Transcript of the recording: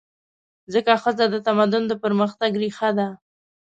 ځکه ښځه د تمدن د پرمختګ ریښه ده.